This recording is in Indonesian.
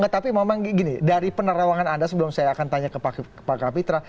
tapi memang gini dari penerawangan anda sebelum saya akan tanya ke pak kapitra